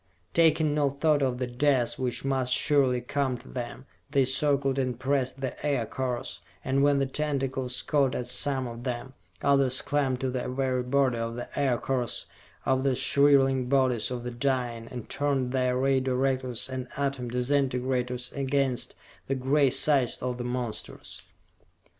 Taking no thought of the death which must surely come to them, they circled and pressed the Aircars; and when the tentacles caught at some of them, others climbed to the very body of the Aircars, over the shriveling bodies of the dying, and turned their Ray Directors and Atom Disintegrators against the gray sides of the monsters.